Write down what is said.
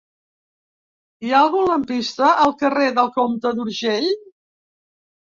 Hi ha algun lampista al carrer del Comte d'Urgell?